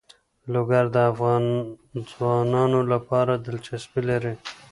لوگر د افغان ځوانانو لپاره دلچسپي لري.